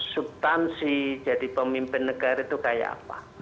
subtansi jadi pemimpin negara itu kayak apa